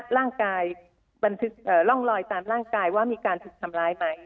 ร่างกายบันทึกร่องรอยตามร่างกายว่ามีการถูกทำร้ายไหม